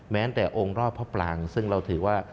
แม้แต่องค์รอบพระปรางซึ่งเราถือว่า